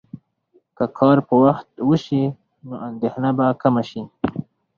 که کار په وخت وشي، نو اندېښنه به کمه شي.